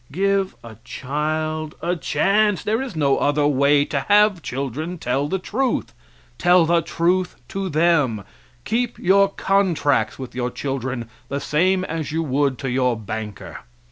Give a child a chance; there is no other way to have children tell the truth tell the truth to them keep your contracts with your children the same as you would to your banker.